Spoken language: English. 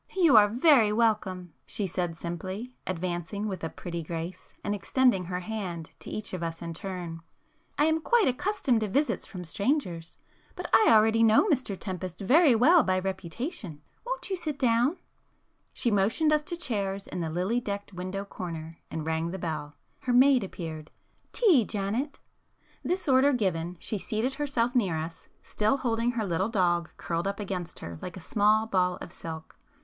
"You are very welcome," she said simply, advancing with a pretty grace, and extending her hand to each of us in turn, "I am quite accustomed to visits from strangers. But I already know Mr Tempest very well by reputation. Won't you sit down?" She motioned us to chairs in the lily decked window corner, and rang the bell. Her maid appeared. "Tea, Janet." [p 226]This order given, she seated herself near us, still holding her little dog curled up against her like a small ball of silk.